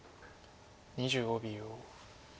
２５秒。